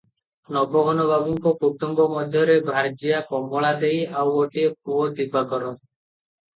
ନବଘନ ବାବୁଙ୍କ କୁଟୂମ୍ବ ମଧ୍ୟରେ ଭାର୍ଯ୍ୟା କମଳା ଦେଈ ଆଉ ଗୋଟିଏ ପୁଅ ଦିବାକର ।